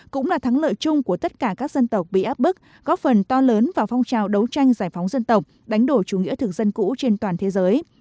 cũng là thắng lợi chung của tất cả các dân tộc bị áp bức góp phần to lớn vào phong trào đấu tranh giải phóng dân tộc đánh đổ chủ nghĩa thực dân cũ trên toàn thế giới